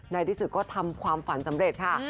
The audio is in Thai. ในที่สุดก็ทำความฝันสำเร็จค่ะ